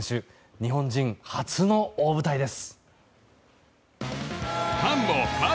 日本人初の大舞台です。